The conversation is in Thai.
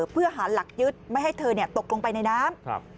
เพื่อหาหลักยึดไม่ให้เธอตกลงไปในน้ำ